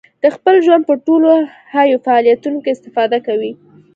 د خپل ژوند په ټولو حیوي فعالیتونو کې استفاده کوي.